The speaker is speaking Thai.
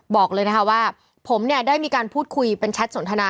บอกเลยนะคะว่าผมเนี่ยได้มีการพูดคุยเป็นแชทสนทนา